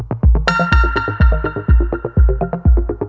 apa yang harus mama lakukan